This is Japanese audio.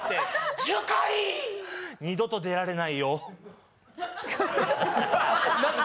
二度と出られないよ。